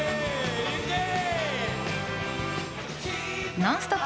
「ノンストップ！」